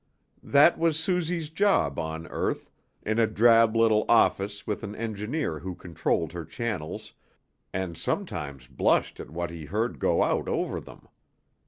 That was Suzy's job on earth, in a drab little office with an engineer who controlled her channels, and sometimes blushed at what he heard go out over them.